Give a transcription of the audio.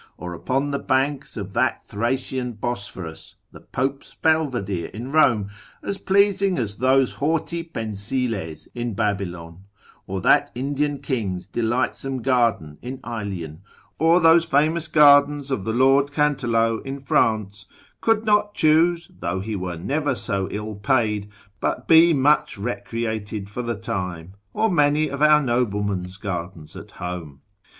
or upon the banks of that Thracian Bosphorus: the pope's Belvedere in Rome, as pleasing as those horti pensiles in Babylon, or that Indian king's delightsome garden in Aelian; or those famous gardens of the Lord Cantelow in France, could, not choose, though he were never so ill paid, but be much recreated for the time; or many of our noblemen's gardens at home.